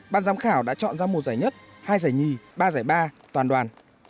ban giám khảo đã chọn ra một giải nhất hai giải nhì ba giải ba toàn đoàn